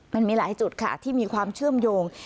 มันมีหลายจุดค่ะที่มีความเชื่อมโยง